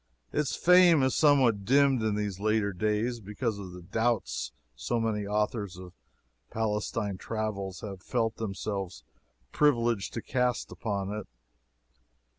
Its fame is somewhat dimmed in these latter days, because of the doubts so many authors of Palestine travels have felt themselves privileged to cast upon it.